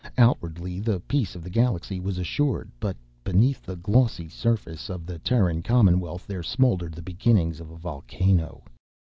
Outwardly, the peace of the galaxy was assured; but beneath the glossy surface of the Terran Commonwealth there smoldered the beginnings of a volcano.